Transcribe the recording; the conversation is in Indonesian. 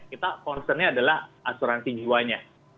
kita concern nya adalah asuransi jiwanya